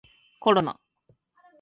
コロナ